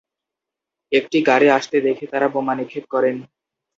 একটি গাড়ি আসতে দেখে তারা বোমা নিক্ষেপ করেন।